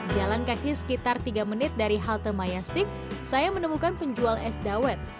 jalan kaki sekitar tiga menit dari halte mayastik saya menemukan penjual es dawet